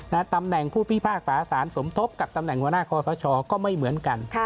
ตำแหน่งผู้พิพากษาสารสมทบกับตำแหน่งหัวหน้าคอสชก็ไม่เหมือนกัน